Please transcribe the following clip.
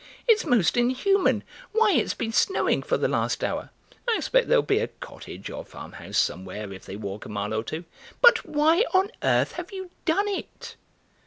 It's most inhuman! Why, it's been snowing for the last hour." "I expect there'll be a cottage or farmhouse somewhere if they walk a mile or two." "But why on earth have you done it?"